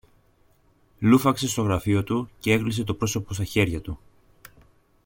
λούφαξε στο γραφείο του και έκλεισε το πρόσωπο στα χέρια του